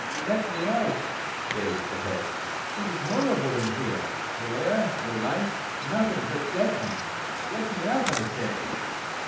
" Let me out !" begged the head. " It is horrible in here — no air, no light, nothing but dead men ! Let me out, I say